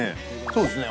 そうですね